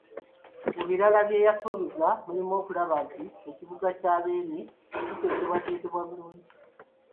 Mu birala bye yasuubizza mulimu; okulaba nti ekibuga kya Beene kiteekebwateekebwa bulungi.